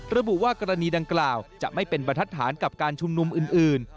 ระบุว่ากรณีดังกล่าวจะไม่เป็นบรรทัดฐานกับการชุมนุมอื่น